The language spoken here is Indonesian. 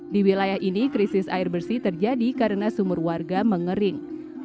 di wilayah ini krisis air bersih terjadi karena sumur warga mengering